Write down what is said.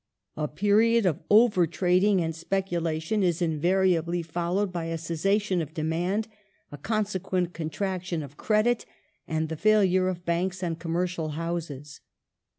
A period of overtrading and speculation is invariably followed by a cessation of demand, a consequent contraction of credit, and the failure of Banks and commercial Hou.ses.